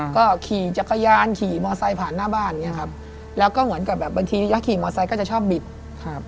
ก็ขี่จักรยานขี่มอไซค์ผ่านหน้าบ้านอย่างเงี้ครับแล้วก็เหมือนกับแบบบางทีถ้าขี่มอไซค์ก็จะชอบบิดครับ